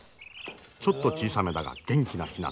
ちょっと小さめだが元気なヒナだ。